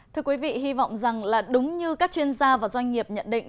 thưa quý vị hy vọng rằng là đúng như các chuyên gia và doanh nghiệp nhận định